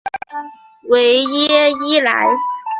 维耶伊莱。